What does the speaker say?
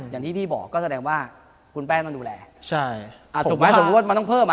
อย่างที่พี่บอกก็แสดงว่าคุณแป้งต้องดูแลใช่อ่าถูกไหมสมมุติว่ามันต้องเพิ่มอ่ะ